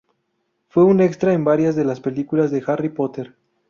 Fue un extra en varias de las películas de "Harry Potter".